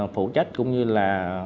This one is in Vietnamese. phụ trách cũng như là